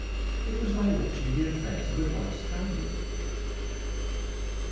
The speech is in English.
It was like watching the affairs of a glass hive."